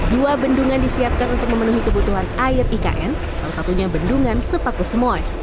dua bendungan disiapkan untuk memenuhi kebutuhan air ikn salah satunya bendungan sepaku semoy